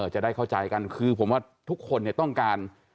จะได้เข้าใจกันคือผมว่าทุกคนต้องการ